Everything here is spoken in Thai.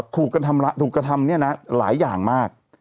ถูกกระทำหลายอย่างมาก